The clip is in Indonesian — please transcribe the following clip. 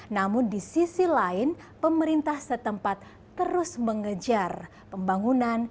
namun di sisi lain pemerintah setempat terus mengejar pembangunan